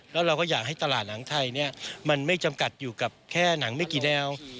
แล้วเราก็อยากให้ตลาดหนังไทยมันไม่จำกัดอยู่กับแค่หนังไม่กี่แนว